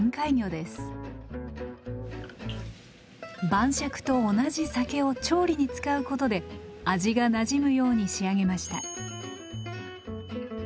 晩酌と同じ酒を調理に使うことで味がなじむように仕上げました。